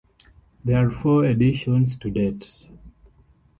There are four editions to date.